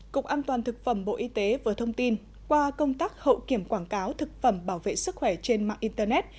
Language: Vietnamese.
cục an toàn thực phẩm bộ y tế vừa thông tin qua công tác hậu kiểm quảng cáo thực phẩm bảo vệ sức khỏe trên mạng internet